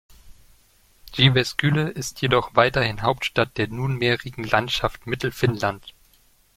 Jyväskylä ist jedoch weiterhin Hauptstadt der nunmehrigen Landschaft Mittelfinnland.